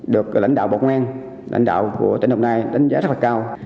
được lãnh đạo bộ công an lãnh đạo của tỉnh đồng nai đánh giá rất là cao